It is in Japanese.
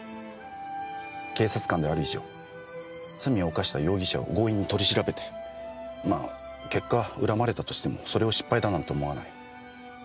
警察官である以上罪を犯した容疑者を強引に取り調べてまあ結果恨まれたとしてもそれを失敗だなんて思わない。